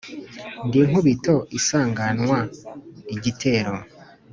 ndi inkubito isanganwa igitero